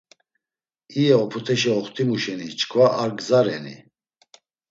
İya op̆uteşa oxtimu şeni çkva ar gza reni?